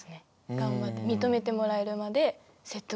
頑張って認めてもらえるまで説得したいです。